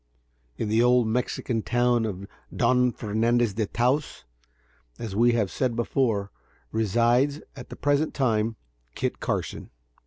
In the old Mexican town of Don Fernandez de Taos, as we have before said, resides at the present time Kit Carson.